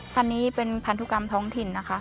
คันนี้เป็นพันธุกรรมท้องถิ่นนะคะ